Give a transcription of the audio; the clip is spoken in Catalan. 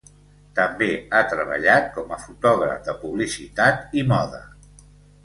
També ha treballat com a fotògraf de publicitat i moda.